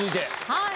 はい。